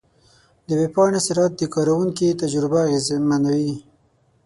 د ویب پاڼې سرعت د کارونکي تجربه اغېزمنوي.